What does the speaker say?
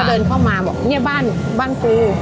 ว่าเดินเข้ามาบ้างกู